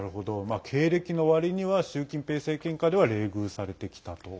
経歴の割には習近平政権下では冷遇されてきたと。